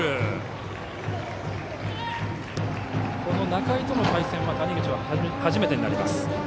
仲井との対戦は谷口は初めてになります。